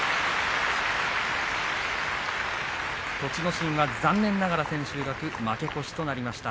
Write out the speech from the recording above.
心は残念ながら負け越しとなりました。